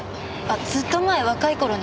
ずっと前若い頃に。